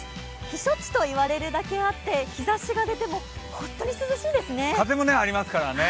避暑地と言われるだけあって、日ざしが出ても本当に涼しいですね。